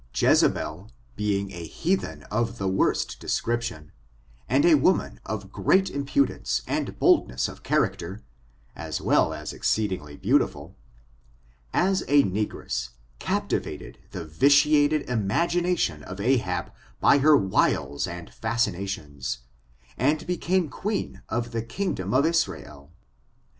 Jezebel being a heathen of the worst description, and a wo ' man of great impudence and boldness of character, as well as exceedingly beautiful, as a negress, capti vated the vitiated imagination of Ahab by her wiles and fascinations, and became queen of the kingdom of Israel.